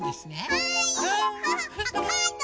はい。